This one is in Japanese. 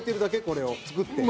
これを作って。